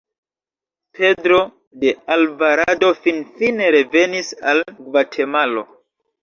Pedro de Alvarado finfine revenis al Gvatemalo.